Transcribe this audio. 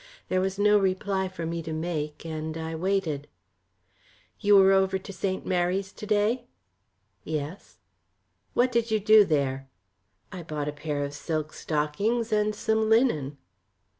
There was no reply for me to make, and I waited. "You were over to St. Mary's to day?" "Yes." "What did you do there?" "I bought a pair of silk stockings and some linen."